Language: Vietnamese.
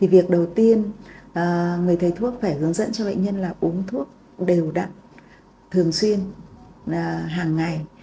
việc đầu tiên người thầy thuốc phải hướng dẫn cho bệnh nhân là uống thuốc đều đặn thường xuyên hàng ngày